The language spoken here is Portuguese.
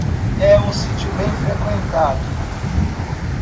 É um sítio bem frequentado